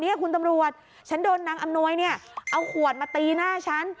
นี่คุณตำรวจฉันโดนนางอำนวยเนี่ยเอาขวดมาตีหน้าฉัน